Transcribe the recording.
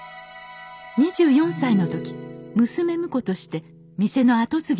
２４歳の時娘婿として店の後継ぎになりました。